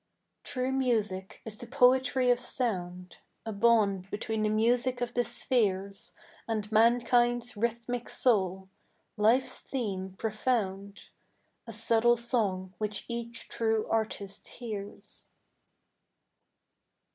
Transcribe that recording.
38 Miscellaneous Poems True music is the poetry of sound, A bond between the music of the spheres And mankind's rhythmic soul—life's theme profound— A subtle song which each true artist hears.